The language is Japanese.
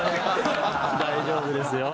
大丈夫ですよ。